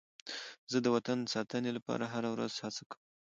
زه د وطن د ساتنې لپاره هره ورځ هڅه کوم.